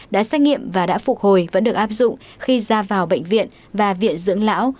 đã xét nghiệm và đã phục hồi vẫn được áp dụng khi ra vào bệnh viện và viện dưỡng lão